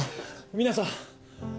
皆さん。